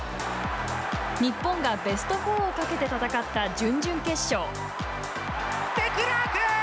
日本がベスト４をかけて戦った準々決勝。